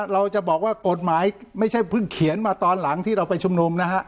เราจะบอกว่ากฎหมายไม่ใช่เพิ่งเขียนมาตอนหลังที่เราไปชุมนุมนะฮะ